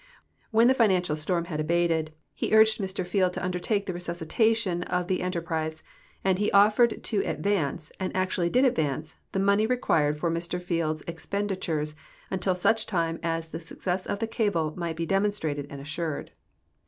When the financial storm had abat('(l, ho urged Mr Field to undertake the resuscitation of the enter }»rise, and he oflered to advance, and actually did advance, the money n;fiuired for Mr Field's expenditures, until such time as the success of the cable might be demonstrated and assured.